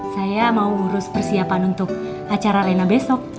saya mau urus persiapan untuk acara lena besok